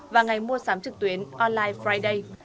và ngày mua sắm trực tuyến online friday